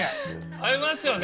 合いますよね。